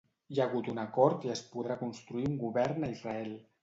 Hi ha hagut un acord i es podrà constituir un govern a Israel